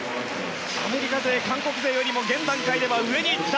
アメリカ勢、韓国勢よりも現段階では上に行った！